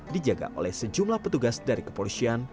dijaga oleh sejumlah petugas dari kepolisian